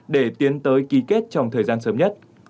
để tiến tới ký kết trong thời gian sớm nhất